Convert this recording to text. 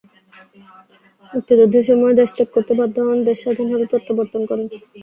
মুক্তিযুদ্ধের সময়ে দেশত্যাগ করতে বাধ্য হন, দেশ স্বাধীন হলে প্রত্যাবর্তন করেন।